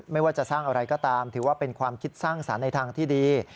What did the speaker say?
ไม่ว่าจะสร้างอะไรก็ตามถือว่าเป็นความคิดสร้างสรรค์ในทางที่ดี